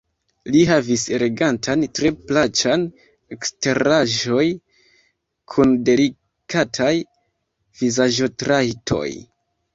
Li havis elegantan, tre plaĉan eksteraĵon kun delikataj vizaĝotrajtoj.